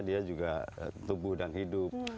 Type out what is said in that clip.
dia juga tubuh dan hidup